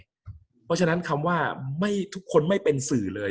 เพราะฉะนั้นคำว่าทุกคนไม่เป็นสื่อเลย